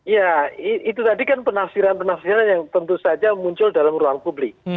ya itu tadi kan penafsiran penafsiran yang tentu saja muncul dalam ruang publik